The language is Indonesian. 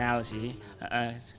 saya lebih cenderung suka ke orijinal sih